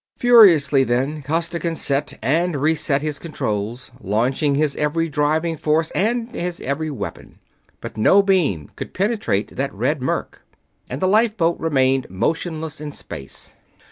Furiously then Costigan set and reset his controls, launching his every driving force and his every weapon, but no beam could penetrate that red murk, and the lifeboat remained motionless in space.